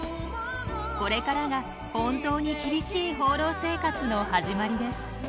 これからが本当に厳しい放浪生活の始まりです。